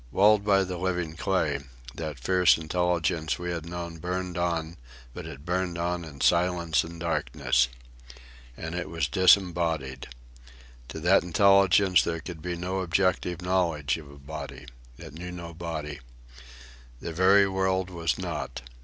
Walled by the living clay, that fierce intelligence we had known burned on; but it burned on in silence and darkness. And it was disembodied. To that intelligence there could be no objective knowledge of a body. It knew no body. The very world was not.